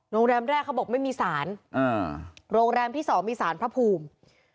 โรงแรมแรกเขาบอกไม่มีสารอ่าโรงแรมที่สองมีสารพระภูมิ